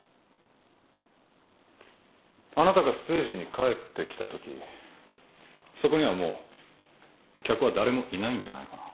あなたがステージに帰ってきたときそこにはもう客は誰もいないんじゃないかな？